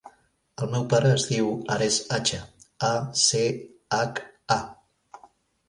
El meu pare es diu Ares Acha: a, ce, hac, a.